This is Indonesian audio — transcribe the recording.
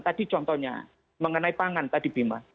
tadi contohnya mengenai pangan tadi bima